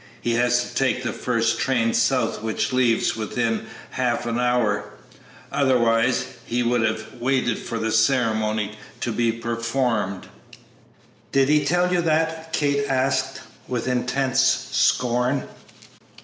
He has to take the first train south which leaves within half an hour; otherwise, he would have waited for the ceremony to be performed." "Did he tell you that?" Kate asked, with intense scorn.